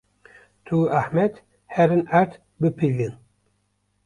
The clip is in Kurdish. Tu û Ehmed herin erd bipîvin.